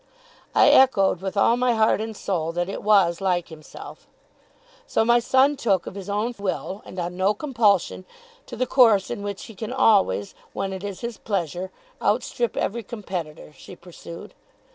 I echoed, with all my heart and soul, that it was like himself. 'So my son took, of his own will, and on no compulsion, to the course in which he can always, when it is his pleasure, outstrip every competitor,' she pursued.